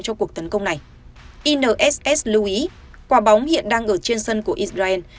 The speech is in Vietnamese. cho cuộc tấn công này inss lưu ý quả bóng hiện đang ở trên sân của israel